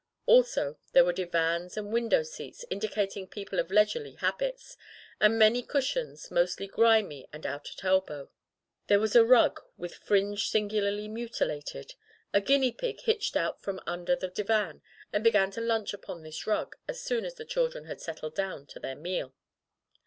Also there were divans and window seats, indicating people of leisurely habits, and many cush ions, mostly grimy and out at elbow. There was a rug, with fringe singularly mutilated. A guinea pig hitched out from under the divan and began to lunch upon this rug as soon as the children had settled down to their meal.